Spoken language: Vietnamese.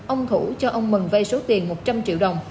ông thủ cho ông mừng vay số tiền một trăm linh triệu đồng